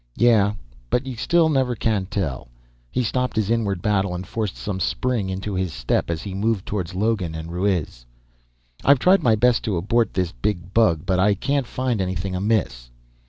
Yeah, but you never can tell_ He stopped his inward battle and forced some spring into his step as he moved toward Logan and Ruiz. "I've tried my best to abort this big bug, but I can't find anything amiss."